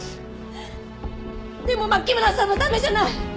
でも牧村さんのためじゃない。